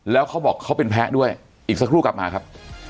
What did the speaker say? แล้วเขาบอกเขาเป็นแพ้ด้วยอีกสักครู่กลับมาครับ